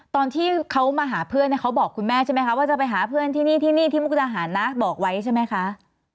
ตอนที่เขามาหาเพื่อนเขาบอกคุณแม่ใช่ไหมคะว่าจะไปหาเพื่อนที่นี่ที่นี่ที่มุกดาหารนะบอกไว้ใช่ไหมคะ